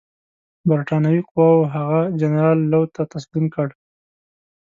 برټانوي قواوو هغه جنرال لو ته تسلیم کړ.